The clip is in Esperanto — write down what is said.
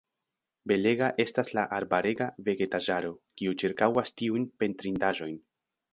Belega estas la arbarega vegetaĵaro, kiu ĉirkaŭas tiujn pentrindaĵojn.